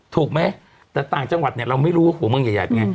ถูกไหมแต่ต่างจังหวัดเนี่ยเราไม่รู้ว่าโอ้โหมันเยอะไง